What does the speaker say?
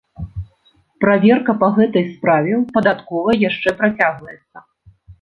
Праверка па гэтай справе ў падатковай яшчэ працягваецца.